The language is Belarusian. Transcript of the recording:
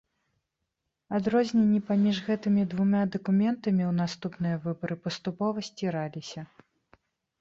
Адрозненні паміж гэтымі двума дакументамі ў наступныя выбары паступова сціраліся.